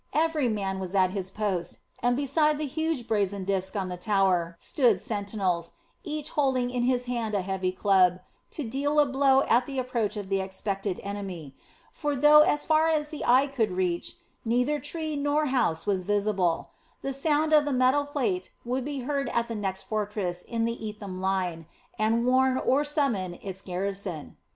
Every man was at his post, and beside the huge brazen disk on the tower stood sentinels, each holding in his hand a heavy club to deal a blow at the approach of the expected enemy; for though as far as the eye could reach, neither tree nor house was visible, the sound of the metal plate would be heard at the next fortress in the Etham line, and warn or summon its garrison.